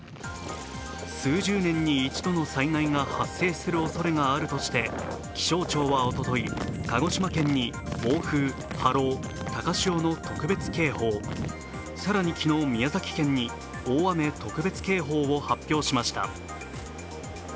数十年に一度の災害が発生するおそれがあるとして気象庁はおととい、鹿児島県に暴風・波浪・高潮の特別警報、更に昨日、宮崎県に大雨特別警報を発表しました。